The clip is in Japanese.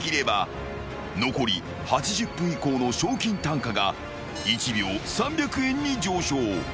［残り８０分以降の賞金単価が１秒３００円に上昇］